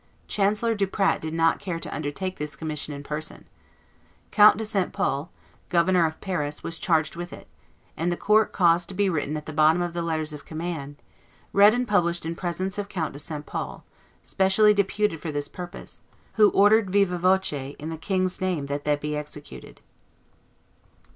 Chancellor Duprat did not care to undertake this commission in person. Count de St. Pol, governor of Paris, was charged with it, and the court caused to be written at the bottom of the letters of command, "Read and published in presence of Count de St. Pol, specially deputed for this purpose, who ordered viva voce, in the king's name, that they be executed."